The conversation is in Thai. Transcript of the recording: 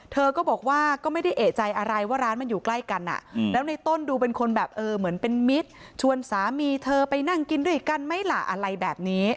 เธอก็บอกว่าก็ไม่ได้เอกใจอะไรว่าร้านมันอยู่ใกล้กันแล้วในต้นดูเป็นคนแบบเออเหมือนเป็นมิตรชวนสามีเธอไปนั่งกินด้วยกันไหมล่ะอะไรแบบนี้